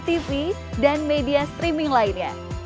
tv dan media streaming lainnya